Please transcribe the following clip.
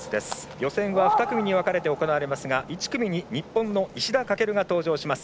予選は２組に分かれて行われますが１組に日本の石田駆が登場します。